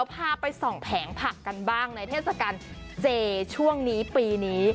พาไปส่องแผงผักกันบ้างในเทศกาลเจช่วงนี้ปีนี้